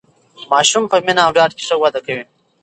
ماسوم په مینه او ډاډ کې ښه وده کوي.